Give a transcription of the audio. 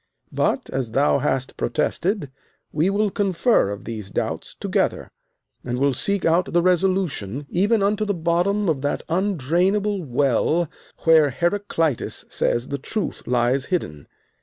But, as thou hast protested, we will confer of these doubts together, and will seek out the resolution, even unto the bottom of that undrainable well where Heraclitus says the truth lies hidden.